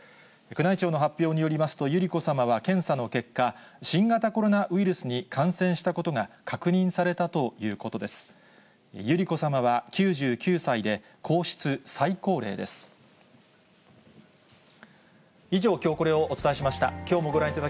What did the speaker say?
宮内庁の発表によりますと、百合子さまは検査の結果、新型コロナウイルスに感染したことが確以上、きょうコレをお伝えしました。